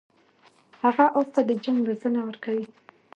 هغه اس ته د جنګ روزنه ورکړه.